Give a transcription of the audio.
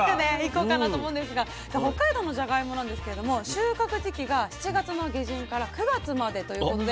さあ北海道のじゃがいもなんですけれども収穫時期が７月の下旬から９月までということで。